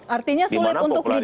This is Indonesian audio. artinya sulit untuk dijual kembali